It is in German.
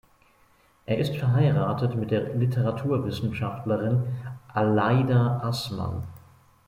Er ist verheiratet mit der Literaturwissenschaftlerin Aleida Assmann.